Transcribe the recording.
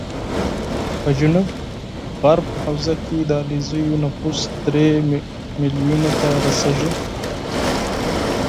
په جنوب غرب حوزه کې د علیزو نفوس درې ملیونو ته رسېږي